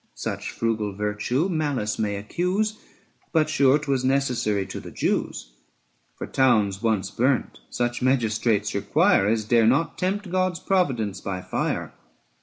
Such frugal virtue malice may accuse; But sure 'twas necessary to the Jews: For towns once burnt such magistrates require As dare not tempt God's providence by fire.